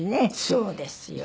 そうですよ。